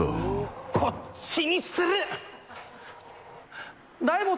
こっちにする！